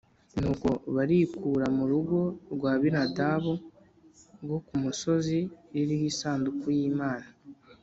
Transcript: Nuko barikura mu rugo rwa Abinadabu rwo ku musozi ririho isanduku y’Imana